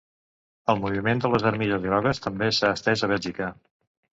El moviment de les armilles grogues també s’ha estès a Bèlgica.